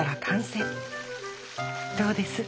どうです？